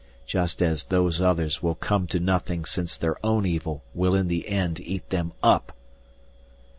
Just as Those Others will come to nothing since their own evil will in the end eat them up!"